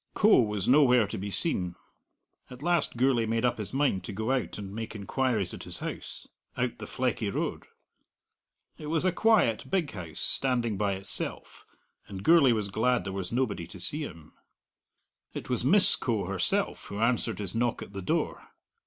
Coe was nowhere to be seen. At last Gourlay made up his mind to go out and make inquiries at his house, out the Fleckie Road. It was a quiet, big house, standing by itself, and Gourlay was glad there was nobody to see him. It was Miss Coe herself who answered his knock at the door.